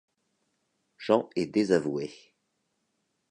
Jean est désavoué.